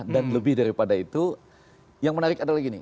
dan lebih daripada itu yang menarik adalah gini